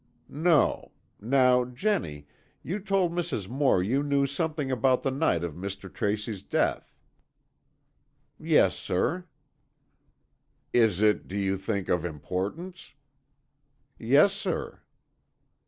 "No. Now, Jennie, you told Mrs. Moore you knew something about the night of Mr. Tracy's death." "Yes, sir." "Is it, do you think, of importance?" "Yes, sir."